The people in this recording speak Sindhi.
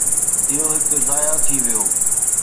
اهو هڪ ضايع ٿي ويو.